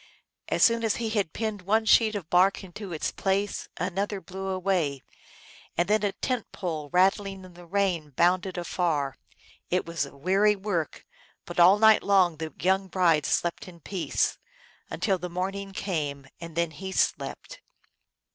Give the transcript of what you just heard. As soon as he had pinned one sheet of bark into its place another blew away, and then a tent pole rattling in the rain bounded afar. It was a weary work, but all night long the young bride slept in peace, until the morning came, and then he slept.